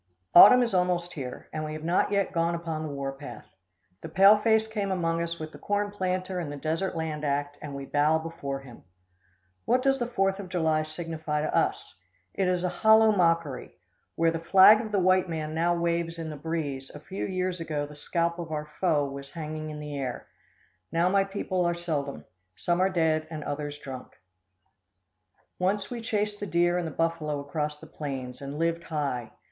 Autumn is almost here, and we have not yet gone upon the war path. The pale face came among us with the corn planter and the Desert Land Act, and we bow before him. What does the Fourth of July signify to us? It is a hollow mockery! Where the flag of the white man now waves in the breeze, a few years ago the scalp of our foe was hanging in the air. Now my people are seldom. Some are dead and others drunk. Once we chased the deer and the buffalo across the plains, and lived high.